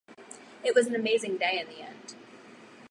It was an amazing day in the end.